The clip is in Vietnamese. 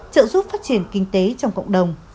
trợ giúp phát triển kinh tế trong cộng đồng